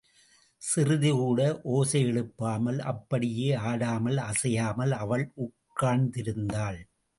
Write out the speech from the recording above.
சிறிது கூட ஓசையெழுப்பாமல் அப்படியே ஆடாமல் அசையாமல் அவள் உட்கார்ந்திருந்தாள்.